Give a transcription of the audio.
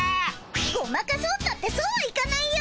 ごまかそうったってそうはいかないよ。